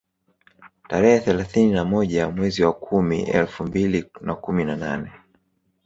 Tarehe thelathini na moja mwezi wa kumi elfu mbili na kumi na nane